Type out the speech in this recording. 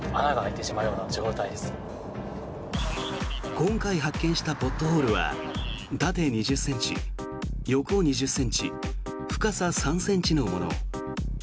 今回発見したポットホールは縦２０ｃｍ、横２０ｃｍ深さ３ｃｍのもの。